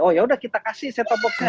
oh yaudah kita kasih set top boxnya